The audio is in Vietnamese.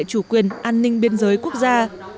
chủ quyền an ninh biên giới quốc gia